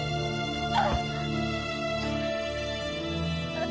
あっ。